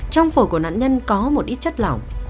trong phổi của nạn nhân có một ít chất lỏng